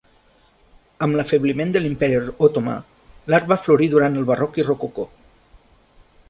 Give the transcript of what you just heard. Amb l'afebliment de l'Imperi Otomà, l'art va florir durant el barroc i rococó.